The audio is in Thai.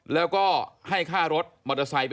แล้วก็ให้ค่ารถมอเตอร์ไซค์ไป